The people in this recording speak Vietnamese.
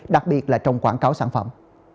đặc biệt là trong quảng cáo sản phẩm